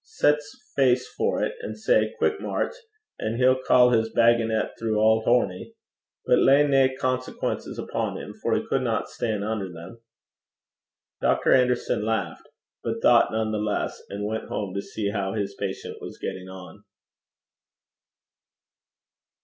Set's face foret, and say "quick mairch," an' he'll ca his bagonet throu auld Hornie. But lay nae consequences upo' him, for he cudna stan' unner them.' Dr. Anderson laughed, but thought none the less, and went home to see how his patient was getting on.